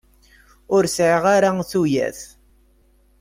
Ur sεiɣ ara tuyat.